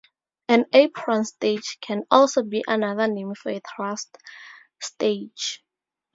An apron stage can also be another name for a thrust stage.